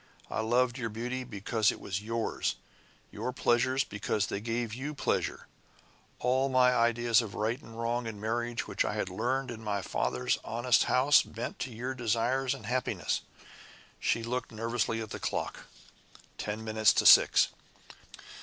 I loved your beauty because it was yours; your pleasures because they gave you pleasure. All my ideas of right and wrong in marriage which I learned in my father's honest house bent to your desires and happiness." She looked nervously at the clock. Ten minutes to six.